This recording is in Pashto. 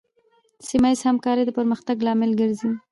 سیمه ایزه همکارۍ د پرمختګ لامل ګرځي.